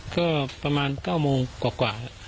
ก็ประมาณ๙โมงกว่าครับ